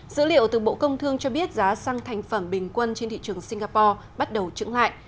dữ liệu từ bộ công thương cho biết giá xăng thành phẩm bình quân trên thị trường singapore bắt đầu trứng lại